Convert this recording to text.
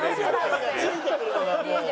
ついてくるのがもう。